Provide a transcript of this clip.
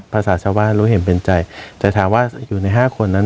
ผสาชาวโรงพยาบาลรู้เห็นเป็นใจแต่ถามว่าอยู่ใน๕คนมาก่อนมั้ย